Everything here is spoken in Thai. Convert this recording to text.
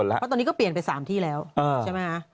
เพราะตอนนี้ก็เปลี่ยนไป๓ที่แล้วใช่ไหมคะ